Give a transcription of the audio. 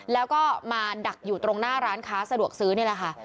แล้วก็มาดักอยู่ตรงหน้าร้านค้าสะดวกซื้อนี่แหละค่ะ